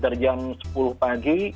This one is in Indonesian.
terjam sepuluh pagi